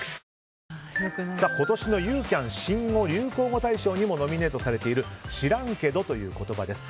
今年のユーキャン新語・流行語大賞にもノミネートされている知らんけどという言葉です。